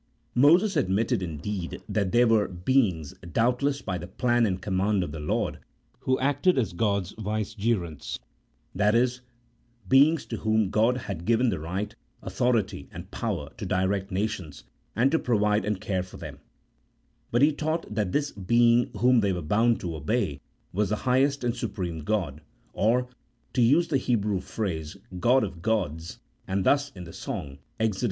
Moses admitted, indeed, that there were beings (doubtless by the plan and command of the Lord) who acted as God's vicegerents — that is, beings to whom God had given the right, authority, and power to direct nations, and to provide and care for them ; but he taught that this Being Whom they were bound to obey was the highest and Supreme God, or (to use the Hebrew phrase) God of gods, and thus in the song (Exod.